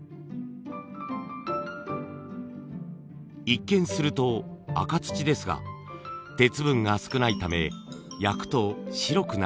一見すると赤土ですが鉄分が少ないため焼くと白くなります。